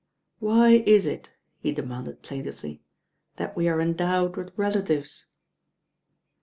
Why is it," he demanded plaintively, "that we are endowed with relatives?"